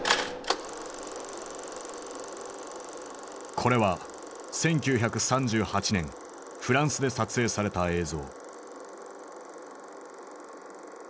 これは１９３８年フランスで撮影された映像。